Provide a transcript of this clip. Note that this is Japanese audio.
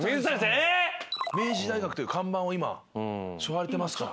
明治大学という看板を今しょわれてますから。